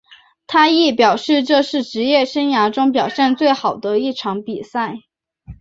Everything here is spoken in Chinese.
他亦表示这是职业生涯中表现最好的一场比赛。